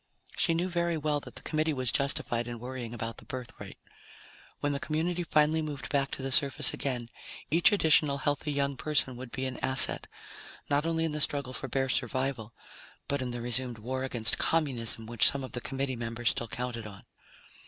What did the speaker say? She knew very well that the Committee was justified in worrying about the birth rate. When the community finally moved back to the surface again, each additional healthy young person would be an asset, not only in the struggle for bare survival, but in the resumed war against Communism which some of the Committee members still counted on.